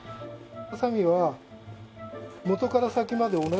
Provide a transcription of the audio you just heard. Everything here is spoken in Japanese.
はさみは元から先まで同じ力で切れる。